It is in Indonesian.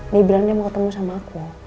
dibilang dia mau ketemu sama aku